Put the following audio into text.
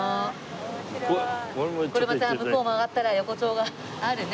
これまた向こう曲がったら横町があるね